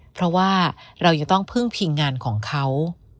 เพราะว่าเราจะต้องพึ่งพิงงานของเขา